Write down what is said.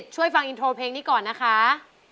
ฟังอินโทรเพลงนี้ก่อนนะคะ